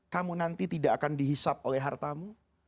kamu nanti tidak akan dihisap oleh hartamu